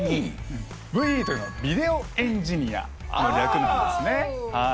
ＶＥというのはビデオエンジニアの略なんですね。